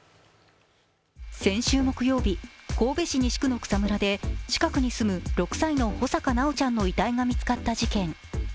先週木曜日、神戸市西区の草むらで、近くに住む６歳の穂坂修ちゃんの遺体が見つかった事件。